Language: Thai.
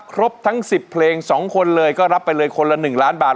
ครบทั้ง๑๐เพลง๒คนเลยก็รับไปเลยคนละ๑ล้านบาท